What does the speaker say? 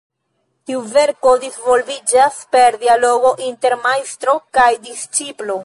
Tiu verko disvolviĝas per dialogo inter majstro kaj disĉiplo.